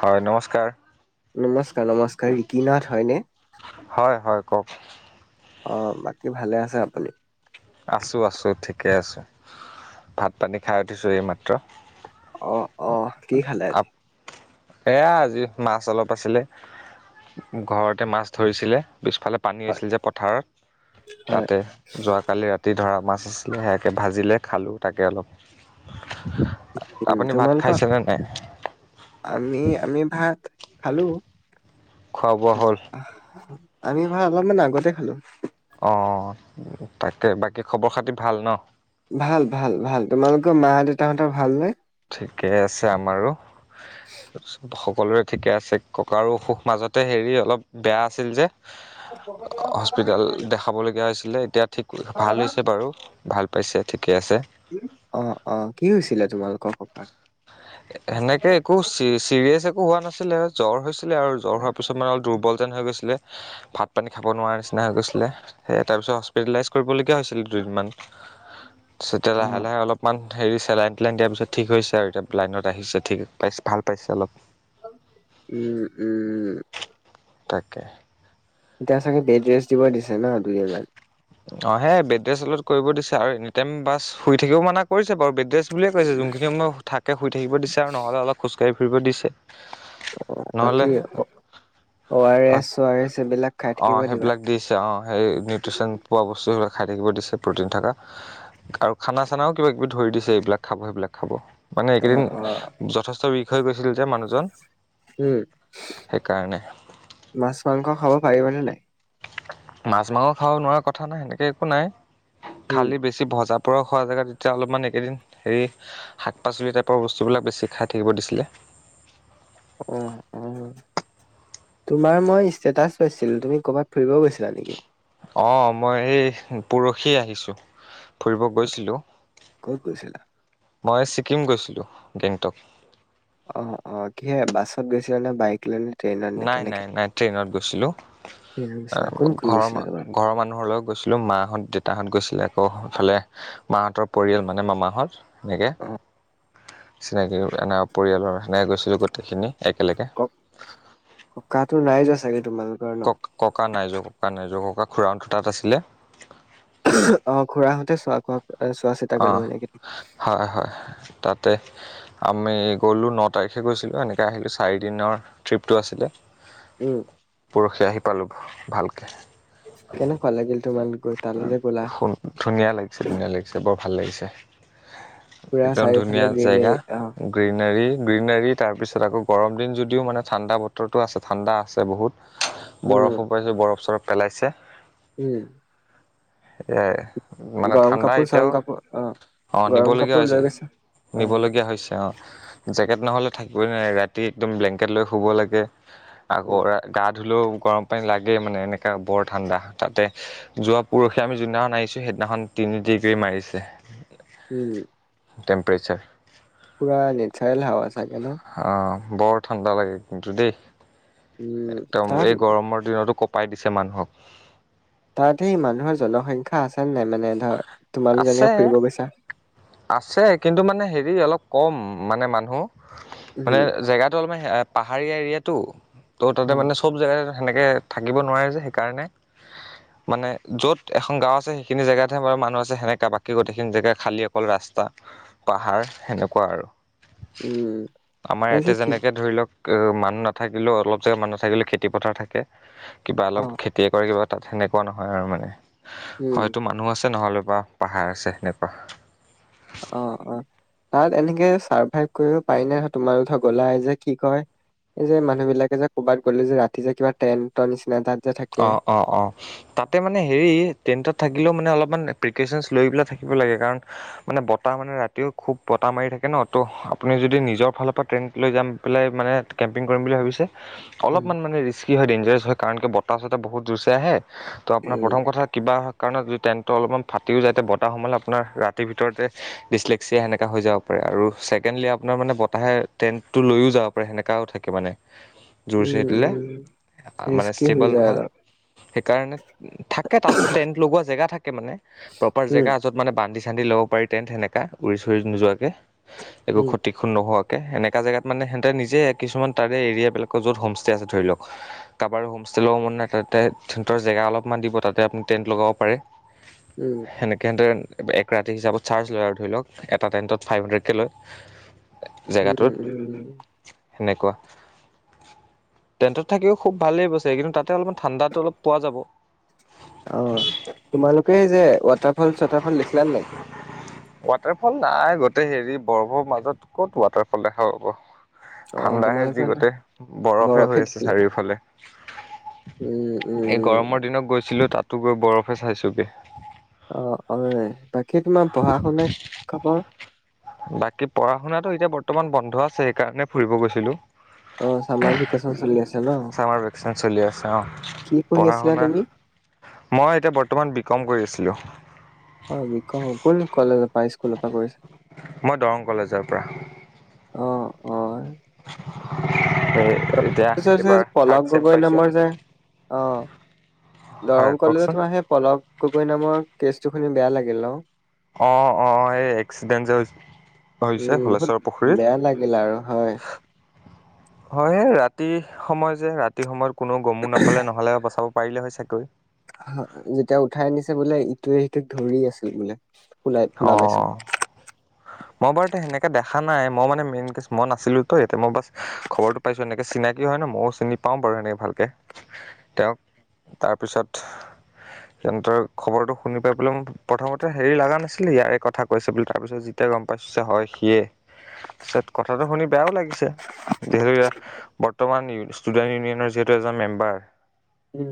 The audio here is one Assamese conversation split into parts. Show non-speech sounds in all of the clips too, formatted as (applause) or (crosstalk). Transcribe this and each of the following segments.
হয় নমস্কাৰ। নমস্কাৰ, নমস্কাৰ। ৰিকি নাথ হয়নে? হয়, হয় কওক। অ বাকী ভালে আছে আপুনি? আছো, আছো ঠিকে আছো। ভাত-পানী খাই উঠিছো এইমাত্ৰ। অ, অ। অ কি খালে আজি? আপ এয়া আজি মাছ অলপ আছিলে ঘৰতে মাছ ধৰিছিলে। পিছফালে পানী হয় হৈছিল যে পথাৰৰ হয় তাতে যোৱাকালি ৰাতি ধৰা মাছ। সেয়াকে ভাজিলে খালোঁ, তাকে অলপ আ উম আপুনি ভাত তোমালোকৰ খাইছেনে নাই? আমি আমি ভাত খালোঁ। খোৱা বোৱা হ'ল? আমি ভাত অলপমান আগতে খালোঁ। অঁ তাকে বাকী খবৰ খাতি ভাল ন? ভাল ভাল ভাল তোমালোকৰ মা দেউতাহঁতৰ ভালনে? ঠিকে আছে আমাৰো। সকলোৰে ঠিকে আছে ককাৰো অসুখ মাজতে হেৰী অলপ বেয়া আছিল যে। হস্পিটেল দেখাব লগীয়া হৈছিলে। এতিয়া ঠিক ক'লা, ভাল হৈছে বাৰু ভাল পাইছে ঠিকে আছে। অঁ অঁ কি হৈছিলে তোমালোকৰ ককাৰ? সেনেকে একো ছি ছিৰিয়েছ একো হোৱা নাছিলে। জ্বৰ হৈছিলে আৰু জ্বৰ হোৱাৰ পিছত মানে অলপ দুৰ্বল যেন হৈ গৈছিলে। ভাত পানী খাব নোৱাৰা নিচিনা নিচিনা হৈ গৈছিলে। সেই তাৰপিছত হস্পিটেলাইজ কৰিব লগীয়া হৈছিল দুদিনমান, তাৰপিছতে অ লাহে লাহে অলপমান হেৰী চেলাইন টেলাইন দিয়াৰ পিছত ঠিক হৈছে আৰু এতিয়া লাইনত আহিছে ঠিক পাইছে ভাল পাইছে অলপ। উম উম। তাকে। এতিয়া চাগে বেদ ৰেষ্ট দিব দিছে ন দুই দিন মান? অঁ সেই বেদ ৰেষ্ট অলপ কৰিব দিছে আৰু এনি টাইম বাছ শুই থাকিব মানা কৰিছে বাৰু বেদ ৰেষ্ট বুলিয়ে কৈছে। যোনখিনি সময় থাকে শুই থাকিব দিছে আৰু নহ'লে অলপ খোজ কাঢ়ি ফুৰিব দিছে। বাকী নহ'লে অ' আৰ এছ হয় চ' আৰ এছ এইবিলাক খাই অ থাকিব দিবা। সেইবিলাক দিছে অঁ সেই নিউট্ৰিচন পোৱা বস্তুবিলাক খাই থাকিব দিছে প্ৰ'টিন থাকা। আৰু খানা চানাও কিবা কিবি ধৰি দিছে এইবিলাক খাব সেইবিলাক খাব। মানে অ এইকেইদিন অ যথেষ্ট উইক হৈ গৈছিল যে মানুহজন। উম, সেইকাৰণে মাছ মাংস খাব পাৰিবনে নাই? মাছ মাংস খাব নোৱাৰা কথা নাই সেনেকে একো নাই উম খালি বেছি বেছি ভজা পুৰা খোৱা জেগাত এতিয়া অলপমান এইকেইদিন হেৰী শাক পাচলি টাইপৰ বস্তুবিলাক বেছি খাই থাকিব দিছিলে। অঁ অঁ। তোমাৰ মই ষ্টেটাচ পাইছিলো তুমি ক'ৰবাত ফুৰিব গৈছিলা নেকি? অঁ মই এই পৰখি আহিছোঁ, ফুৰিব গৈছিলোঁ। ক'ত গৈছিলা? মই ছিক্কিম গৈছিলোঁ গেংটক। অহ অঁ কিহে বাছত গৈছিলা নে বায়েক লৈ নে? ট্ৰেইনত নে নাই নাই কেনেকে নাই ট্ৰেইনত গৈছিলোঁ। ট্ৰেইনত গৈছিলা কোন আ কোন ঘৰৰ গৈছিলা মা তোমাৰ ঘৰৰ মানুহৰ লগত গৈছিলোঁ মাহঁত দেউতাহঁত গৈছিলে, আকৌ সেফালে মাহঁতৰ পৰিয়াল মানে মামাহঁত সেনেকে। অ চিনাকি এ পৰিয়ালৰ সেনেকে গৈছিলোঁ গোটেইখিনি একেলগে। কক ককাতো নাই যোৱা চাগে তোমালোক কক ককা নাই যোৱা ককা নাই যোৱা ককা খুৰাহঁতৰ তাত আছিলে। উমহ, অঁ খুৰাহঁতে চোৱা খোৱা এ চোৱা চিতা অঁ কৰিলে মানে এইকেইদিন? হয় হয় তাতে। আমি গ'লো ন তাৰিখে গৈছিলোঁ এনেকে আহিলোঁ চাৰি দিনৰ ট্ৰিপটো আছিলে। উম। পৰখি আহি পালোঁ ভালকে। কেনেকুৱা লাগিল তোমালোক গৈ তালৈ যে গ'লা? ধুনীয়া লাগিছে, ধুনীয়া লাগিছে বৰ ভাল লাগিছে। পুৰা একদম চাৰিওফালে ধুনীয়া জেগা, গ্ৰীনেৰী অ গ্ৰীণাৰী, গ্ৰীণাৰী তাৰপিছত আকৌ গৰম দিন যদিও মানে ঠাণ্ডা বতৰটো আছে, ঠাণ্ডা আছে বহুত। (inaudible) বৰফো পাইছোঁ, বৰফ চৰফ পেলাইছে। উম। এহ। মানে গৰম ঠাণ্ডা কাপোৰ চৰম এতিয়াও কাপোৰ অ অঁ গৰম নিবলগীয়া কাপোৰ লৈ হৈছে, গৈছা অ নিবলগীয়া হৈছে অ'। জেকেট নহলে থাকিবই নোৱাৰি, ৰাতি একদম ব্লেংকেট লৈ শুব লাগে। আকৌ উম গা ধুলেও গৰম পানী লাগেই মানে, এনেককা বৰ ঠাণ্ডা। তাতে যোৱা পুৰুষি আমি যোনদিনাখন আহিছো, সেইদিনাখন তিনি ডিগ্ৰী মাৰিছে। উম। টেম্পৰেচাৰ। পুৰা নেচাৰেল হাৱা চাগে ন'? অ'বৰ ঠাণ্ডা লাগে কিন্তু দেই। উম একদম, তাত এই গৰমৰ দিনতো কপাই দিছে মানুহক। তাত সেই মানুহৰ জনসংখ্যা আছেনে নাই, মানে ধৰ' তোমালোক আছে যেনেকে ফুৰিব গৈছা? আছে কিন্তু মানে হেৰি অলপ কম মানে মানুহ, মানে উম জেগাটো অলপমান পাহাৰীয়া এৰিয়াটো ত' তাতে অ মানে চব জেগাত সেনেকৈ থাকিব নোৱাৰে যে, সেইকাৰণে মানে য'ত এখন গাঁও আছে সেইখিনি জেগাতহে বাৰু মানুহ আছে, সেনেকা বাকী গোটেইখিনি জেগা খালি অকল ৰাস্তা, পাহাৰ সেনেকুৱা আৰু। উম আমাৰ এই যে ইয়াতে কি যেনেকে ধৰি লওক মানুহ নাথাকিলেও অলপ জেগা মানুহ নথাকিলেও খেতি পথাৰ থাকে। কিবা অ অলপ খেত কে কৰে কিবা তাত সেনেকুৱা নহয় আৰু মানে। উম হয়তো মানুহ আছে নহ'লে বা পাহাৰ আছে হেনেকুৱা। অ, অ তাত এনেকে চাৰ্ভাইভ কৰিব পাৰি নাই, ন তোমালোঁ ধৰ গলা যে কি কয়! এই যে মানুহ বিলাকে যে, ক'ৰবাত গ'লে যে, ৰাতি যে কিবা টেন্ত এটা নিচিনা এটাত যে অ', থাকে। অ' অ'। তাতে মানে হেৰি, টেত থাকিলেও মানে অলপমান প্ৰিকচন লৈ পেলাই থাকিব লাগে। কাৰণ মানে বতাহ মানে ৰাতিও খুব বতাহ মাৰি থাকে ন ত' আপুনি যদি নিজৰ ফালৰ পৰা ট্ৰেইন লৈ যাম পেলাই মানে কেম্পিং কৰিম বুলি ভাবিছে, উম অলপমান মানে ৰিস্কি হয়, ডেঞ্জাৰাছ হয়। কাৰণ বতাহ বহুত যোৰ চে আহে, তো আপোনাৰ উম প্ৰথম কথা কিবা কাৰণ যদি টেণ্টটো অলপমান ফাটি যায়তে, বতাহ সময়ে আপোনাৰ ৰাতিৰ ভিতৰতে ডিচলে্সিয়া সেনেকা হৈ যাব আৰু ছেকেণ্ডলি আপোনাৰ মানে বতাহে টেণ্টটো লৈয়ো যাব পাৰে, সেনেকাও থাকে মানে। জোৰ চে উম দিলে উম, মানে ৰিস্কি হৈ ষ্টেবল যায় নহয় অলপ। সেইকাৰণে থাকে তাত টেন্ট লগোৱা জেগা থাকে মানে। প্ৰপাৰ উম জেগা য'ত মানে বান্ধি চান্ধি ল'ব পাৰি টেণ্ট সেনেকা, উৰি চোৰি নোযোৱাকে। একো উম ক্ষতি নোহোৱাকে। এনেকা জেগাত মানে হেতে নিজে কিছুমান তাৰে এৰিয়াবিলাকৰ য'ত হোমষ্টে আছে ধৰি লওক, কাৰাবাৰো হোম ল'ব মন নাই, তাতে তাহতৰ জেগা অলপমান দিব তাতে আপুনি টেণ্ট লগাব পাৰে। উম। সেনেকে সেহতে এক ৰাতি হিচাপত চাৰ্জ লয় আৰু ধৰি লওক, এটা টাইণ্টত ফাইভ হাণ্ড্ৰেডকে লয়। উম জেগাটোত। উম সেনেকুৱা। টেন্তত থাকিও খুব ভালেই বস্তু কিন্তু তাতে অলপ ঠাণ্ডাটো অলপ পোৱা যাব, অ তোমালোকে যে, ৱাটাৰফল, চোৱাটাৰফল দেখিলা নাই? ৱাটাৰফল নাই, গোটেই হেৰি বৰফৰ মাজত ক'ত ৱাটাৰফল দেখা পাব। অ ঠাণ্ডাহে তোমালোকে যি গোটে, বৰফে হৈ আছে চাৰিওফালে। উম উম। এই উম। গৰমৰ দিনত গৈছিলো তাতো গৈ বৰফে চাইছোগে। অ অই বাকী তোমাৰ পঢ়া শুনা খবৰ। বাকী পঢ়া শুনাটো এতিয়া বৰ্তমান বন্ধ আছে সেইকাৰণে ফুৰিব গৈছিলো। অ চামাৰ ভেকেশচন চলি আছে ন। চামাৰ ভেকেচন চলি আছে অ ক্লি পঢ়ি পঢ়া আছিলা শুনা তুমি? মই এতিয়া বৰ্তমান বিকম কৰি আছিলোঁ। অ বিকম কোন কলেজৰ পৰা স্কুলৰ পৰা কৰিছ- মই দৰং কলেজৰ পৰা। অ। অ ত। (unintelligible) পলক গগৈ নামৰ যে অ হয় দৰং কওকচোন কলেজত সোৱা পলক গগৈ নামৰ কেচটো শুনি বেয়া লাগিল ন। অ অ এই এক্সিডেণ্ট যে হৈছে হোলেশ্বৰ পুখুৰীত। লাৰু হয় হয় ৰাতি সময় যে ৰাতি সময়ত কোনো গমো নাপালে নহ'লে বচাব পাৰিলে হয় চাকৈ। যেতিয়া উঠাই নিছে বোলে ইটোৱে সিটোক ধৰি আছিল বোলে শুনাই শুনা পাইছো। অ মই বাৰু সেনেকে দেখা নাই মই মানে মেইন কেছ মই নাছিলো ত মই বাছ খবৰটো পাইছো এনেকে চিনাকি হয় ন ময়ো চিনি পাও বাৰু হেনেকে ভালকে। তেওঁক তাৰপিছত (inaudible) তেনতৰ খবৰটো শুনি পাই পেলাই মোৰ প্ৰথমতে হেৰি লগা নাছিলে ইয়াৰে কথা কৈছে বুলি তাৰপিছত যি তেতিয়া গম পাইছো যে হয় সিয়ে ছত কথাটো শুনি বেয়াও লাগিছে। যিহেতু ইয়া বৰ্তমান ষ্টুডেণ্ট ইউনিয়নৰ যিহেতু এজন মেম্বাৰ। উম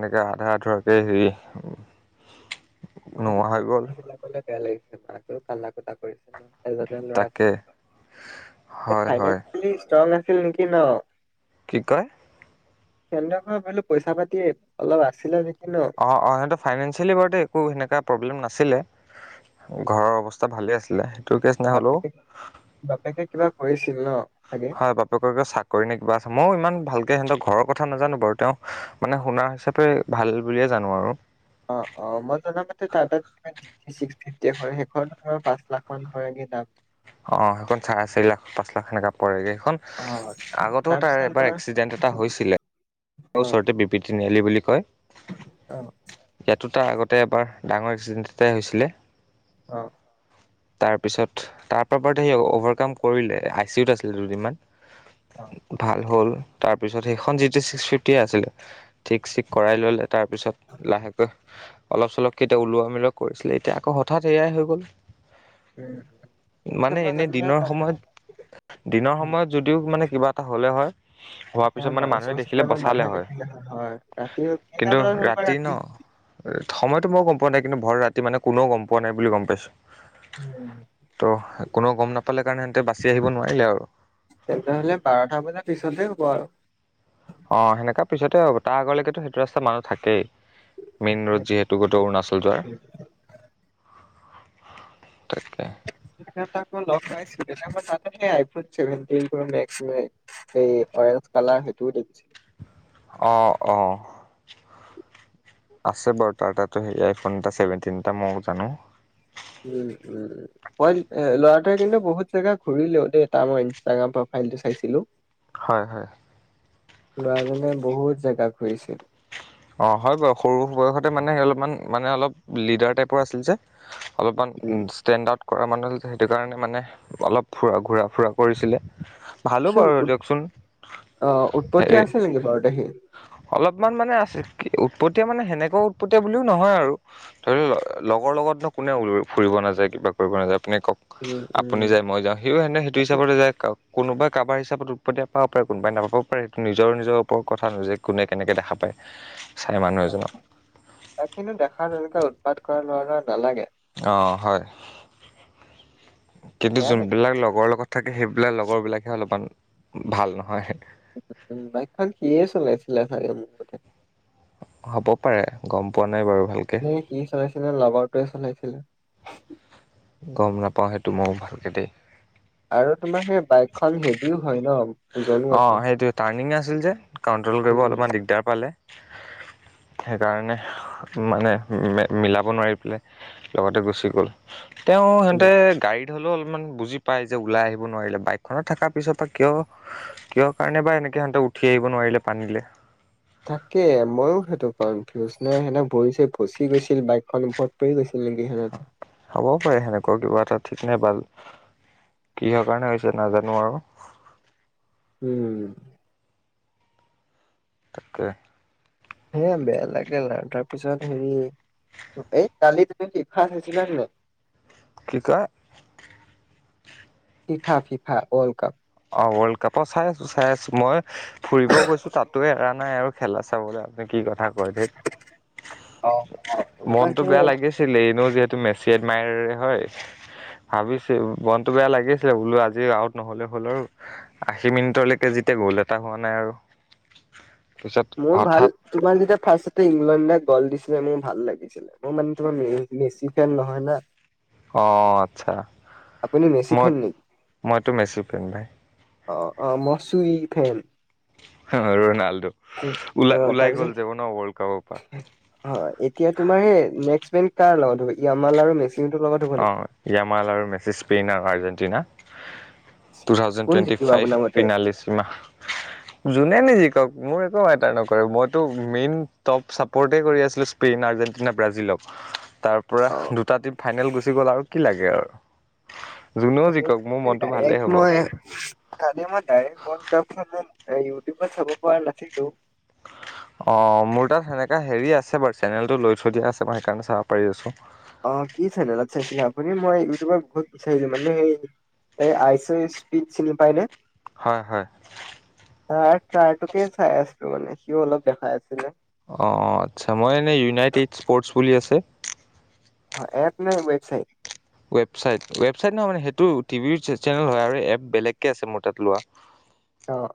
এনেকৈ আধা আধুৱাকৈ হেৰি নোহোৱা হৈ গ'ল। কিবা ক'লে বেয়া লাগিছিল আকৌ ফাল্লা কুটা কৰিছে ন হেল্লডেন তাকে হয় হয়। তুমি ষ্ট্ৰং আছিল নেকি ন? কি কয়? কেন্দ্ৰখনত বোলো পইচা পাতি অলপ আছিলে নেকি ন। অ অ সিহঁতে ফাইনেঞ্চিয়েলি বাৰুতে একো সেনেকুৱা প্ৰব্লেম নাছিলে। ঘৰৰ অৱস্থা ভালে আছিলে সেইটো কেচ নহলেও। বাপেকে বাপেকে কিবা কৰিছিল ন চাগে? হয় বাপেক ক চাকৰি নে কিবা আছে মইও ইমান ভালকে সিঁহতৰ ঘৰৰ কথা নাজানো বাৰু তেওঁ মানে শুনাৰ হিচাপে ভাল বুলিয়ে জানো আৰু। অ, অ মই জনা মতে তাৰ ত (unintelligible) কি ছিক্স ফিফট এ সেইখন ধৰক পাঁচ লাখ মান পৰেগে দাম। অ, সেইখন চাৰে চাৰি লাখ পাঁচ লাখ সেনেকা পৰেগে সেইখন। অ আগতেও তাৰ তাৰপিছত এবাৰ তোমাৰ এক্সিডেন্ট এটা হৈছিলে। ঔ অ ওচৰতে বিপৃতি নিয়ালি বুলি কয়। অ। ইয়াতো তাৰ আগতে এবাৰ ডাঙৰ এক্সিডেন্ট এটাই হৈছিলে। অ। তাৰপিছত তাৰপা বাৰদ সে অভাৰকাম কৰিলে আই চি ইউত আছিলে দুদিনমান। অ ভাল হ'ল। তাৰপিছত সেইখন যিটো ছিক্স ফিফটি আছিলে ঠিক চিক কৰাই ললে। তাৰপিছত লাহেকৈ অলপ চলপ কেতাও ওলোৱা মিলোৱা কৰিছিলে এতিয়া আকৌ হঠাৎ এয়াই হৈ গ'ল। উম। পিছত মানে মই এনে জনামতে দিনৰ তাৰ সময়ত দিনৰ অ সময়ত যদিও মানে কিবা এটা হলে হয়। হোৱাৰ তাতে পিছত আমাৰ মানে মা- মানুহে ওচৰ চুবুৰীয়া দেখিলে আমাৰ বচালে মানুহে হয়। দেখিলে হয় ৰাতি কেইটা কিন্তু বজাত হ'ল বা ৰাতি ন, সময়তো মই গম পোৱা নাই কিন্তু ভৰ ৰাতি মানে কোনেও গম পোৱা নাই বুলি গম পাইছো। উম ত' কোনেও গম নাপালে কাৰণে সেহতে বাচি আহিব নোৱাৰিলে আৰু তেন্ত হ'লে বাৰটা বজাৰ পিছতে হ'ব আৰু অ, সেনেকা পিছতে হব তাৰ আগলৈকেতো সেইটো ৰাস্তা মানুহ থাকেই মেইন ৰোড যিহেতু গোট অৰুণাচল। (unintelligible) (unintelligible) এই অৰেঞ্জ কালাৰ সেইটোও দেখিছে। অ, অ। আছে বাৰু তাৰ তাত আই ফোন এটা চেভেনটিন এটা মই জানো। উম উম, মই ল'ৰাটোৱে কিন্তু বহুত জেগা ঘূৰিলেও দেই তাৰ মই ইনস্তা গ্ৰাম প্ৰফাইল টো চাইছিলো। (inaudible) হয় হয়। ল'ৰাজনে বহুত জেগা ঘূৰিছিল। অঁ, হয় বাৰু সৰু বয়সতে মানে অলপমান মানে অলপ লিডাৰ টাইপৰ আছিল যে। অলপমান উম ষ্টেণ্ড আউট। কৰা মানুহছিল সেইটো কাৰণে মানে অলপ ফুৰা ঘূৰা ফুৰা কৰিছিলে। ভালো সি বাৰু উৎ- দিয়কচোন অ উৎপতীয়া হেৰি। আছিল নেকি বাৰু তে সি অলপমান মানে আছে উৎপতীয়া মানে সেনেকুৱা উৎপতীয়া বুলিও নহয় আৰু ধৰি ল লগৰ লগত নো কোনে ফুৰিব নাযায় কিবা কৰিব নাযায় আপুনি কওক, উম উম আপুনি যায় মই যাওঁ সিও সেনে সেইটো হিচাপতে যায় কক কোনোবাই কাৰোাৰ হিচাপত উৎপতি পাব পাৰে কোনোবাই নাপাব পাৰে সেইটো নিজৰ নিজৰ ওপৰত কথা যে কোনে কেনেকে দেখা পায়। চাৰে মানুহ এজনক। তাক কিন্তু দেখা তেনেকুৱা উৎপাত কৰা ল'ৰা নালাগে। অ হয় কিন্তু বেয়া যোন লাগে বিলাক লগৰ লগত, থাকে সেইবিলাক লগৰবিলাকে অলপমান ভাল নহয়। উ বাইকখন সিয়ে চলাইছিলে চাগে মোৰ মতে। হ'ব পাৰে গম পোৱা নাই বাৰু ভালকে। সি চলাইছিল নে লগৰটোৱে চলাইছিলে। গম নাপাওঁ সেইটো ময়ো ভালকে দেই। আৰু তোমাৰ সেই বাইকখন হেভিও হয় ন। ওজনো অ, আছে সেইটো টাৰ্ণিং আছিল যে কণ্ট্ৰল কৰিব উম অলপমান দিগদাৰ পালে। (inaudible) সেইকাৰণে মানে মিলাব নোৱাৰি পেলাই লগতে গুচি গ'ল। তেওঁ উম সিহঁতে গাড়ীত, হলেও অলপমান বুজি পায় যে ওলাই আহিব নোৱাৰিলে বাইকখনত থকাৰ পিছৰ পৰা কিয়, (unintelligible) কিহৰ কাৰণে বা এনেকে সিহঁতে উঠি আহিব নোৱাৰিলে পানীলে। তাকে মইও সেইটো কনফিউজ নে সেনেক ভৰি চৰি ভচি গৈছিল বাইকখন ওপত। প গৈছিল নেকি (unintelligible) হ'বও পাৰে সেনেকুৱা কিবা এটা ঠিক নাই বাল, কিহৰ কাৰণে হৈছে নাজানো আৰু উম। তাকে। হে বেয়া লাগে আৰু তাৰপিছত হেৰি এই কালি (unintelligible) কিকা, ফিফা ফিফা ৱল্ড কাপ। অ ৱৰ্ল্ড কাপ চাই আছো চাই আছো, মই ফুৰিব গৈছো তাতে এৰা নাই আৰু খেলা চাবলে আও। কি কথা ক ঠেত, অ'। তোমাৰ মনতটো সেই বেয়া লাগিছে ছিলে এনো যিহেতু মেচি এডমায়াৰ হয়। ভাবিছো মনতো বেয়া লাগিছিলে বোলো আজি আউট নহ'লেও হ'ল আৰু আশী মিনিটলেকে যেতিয়া গ'ল এটা হোৱা নাই আৰু। পিছত মোৰ ভাল হঠাৎ তোমাৰ যেতিয়া ফাৰ্ষ্টতে ইংলেণ্ডক গল দিছিলে মোৰ ভাল লাগিছে। মই মানে তোমাৰ মেছি ফেন নহয় না। অঁ আচ্ছা আপুনি মেচি মই ফেন নেকি মইতো মেচি ফেন ভাই। অ অ মই ছুই ফেন। অ ৰনাল্ডো অ ওলাই ওলাই তাৰপিছত গল যাব ন ৱৰ্ল্ড কাপৰ পৰা। হয় এতিয়া তোমাৰ সেই নেক্সট্ বেনেদ লগত হব য়ামাল আৰু মেচ চি লগত - অঁ য়ামাল আৰু মেচি স্পেইন আৰু আৰ্জেণ্টিনা। তু থাউজেণ্ড কোন টুৱেন্টি জিকিব ফাইভ আপোনাৰ মতে? ফিনালিছিমা। (inaudible) যোনে নিজিকক মোৰ একো মেটাৰ নকৰে, মইতো মেইন টপ চাপৰ্টতে কৰি আছিলো স্পেইন আৰ্জেণ্টিনা ব্ৰাজিলক তাৰ পৰা অ', দুটা টিম ফাইনেল গুচি গ'ল আৰু কি লাগে আৰু। যোনেও জিকক মোৰ মনটো ডাইৰেক্ট ভালেই হ'ব। মই কালি মই ডাইৰেক (unintelligible) এ ইউটিউবত চাব পৰা নাছিলো। অঁ মোৰ তাত সেনেকা হেৰি আছে বাৰু চেনেলটো লৈ থৈ দিয়া আছে মই সেইকাৰণে চাব পাৰি আছো। অ কি চেনেলত চাইছিলে আপুনি? মই ইউটউবৰ বহুত বিচাৰিলোঁ মানে এই আইচ স্পিড চিনি পাই নে? হয় হয়। ত তট্ৰাৰটোকে চাই আছো মানে, সিও অলপ দেখাই আছিলে। অ আচ্ছা মই এনেই ইউনাইটেড স্পৰ্টচ বুলি আছে অ এপ নে ৱেবছাইট? ৱেবচাইট ৱেবচাইট নহয় মানে সেইটো টিভিৰ চেনেল হয় আৰু এ বেলেগকে আছে মোৰ তাত লোৱা। অঁ।